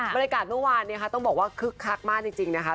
บรรยากาศเมื่อวานเนี่ยค่ะต้องบอกว่าคึกคักมากจริงนะคะ